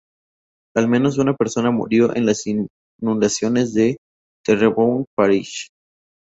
Al menos una persona murió en las inundaciones en Terrebonne Parish.